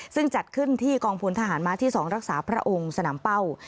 ซึ่งจัดขึ้นที่กองพลทหารม้าที่๒รักษาพระองค์สนามเป้า